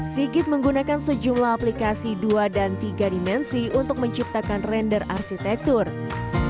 sikit menggunakan sejumlah aplikasi dua dan tiga dimensi untuk menciptakan render agar dapat melengkapi jalan atau jalan